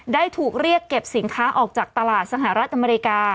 ได้ถูกเรียกเก็บสินค้าออกจากตลาดสหรัฐอเมริกา